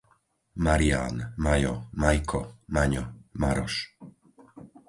Marián, Majo, Majko, Maňo, Maroš